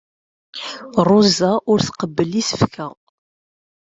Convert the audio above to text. Ṛuza ur tqebbel isefka.